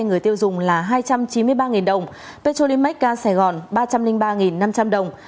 người tiêu dùng là hai trăm chín mươi ba đồng petro limac gas sài gòn ba trăm linh ba năm trăm linh đồng